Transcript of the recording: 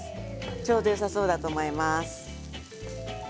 ちょうどよさそうだと思います。